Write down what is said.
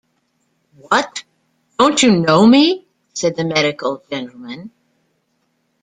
‘What, don’t you know me?’ said the medical gentleman.